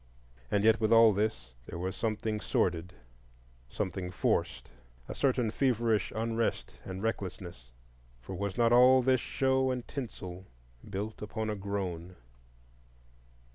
And yet with all this there was something sordid, something forced,—a certain feverish unrest and recklessness; for was not all this show and tinsel built upon a groan?